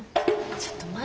ちょっと舞。